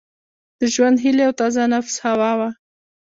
د ژوند هیلي او تازه نفس هوا وه